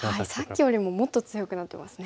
さっきよりももっと強くなってますね。ですよね。